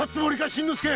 新之助！